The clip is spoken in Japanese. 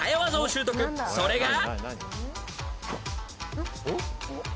［それが］